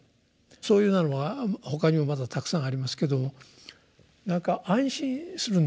そういうようなのは他にもまだたくさんありますけど何か安心するんですよ。